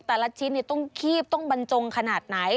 แต่ละชิ้นต้องคีบต้องบรรจงขนาดไหน